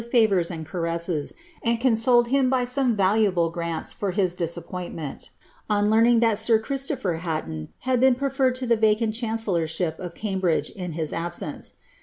favours and caresses, and consoled him by some valuable grants for hi (li. ^ppoinlmenl, on learning that sir Christopher Haiton had been pre ferred to Ihe vacant chancellorship of Cambridge in his absence.